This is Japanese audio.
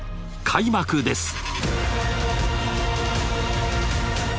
開幕です！